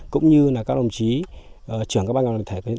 cũng như là các đồng chí trưởng các ban ngành đoàn thể